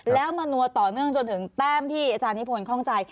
แล้วมานัวต่อเนื่องจนถึงแต้มที่อาจารย์นิพนธ์คล่องใจ